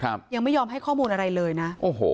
ยังไม่ยอมให้ข้อมูลอะไรเลยนะโอ้โห